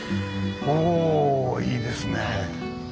おぉいいですね。